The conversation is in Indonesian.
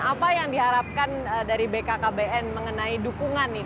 apa yang diharapkan dari bkkbn mengenai dukungan nih